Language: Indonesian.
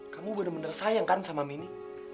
kamu bener bener sayang kan sama mini